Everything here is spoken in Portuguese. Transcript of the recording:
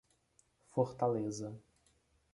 Fortaleza